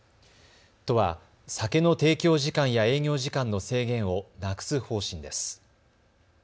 都は酒の提供時間や営業時間の制限をなくす方針です。